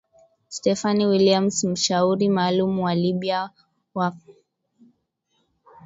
Stephanie Williams mshauri maalum kwa Libya wa katibu mkuu wa Umoja wa Mataifa Antonio Guterres,